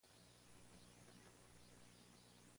Hay numerosas víctimas"".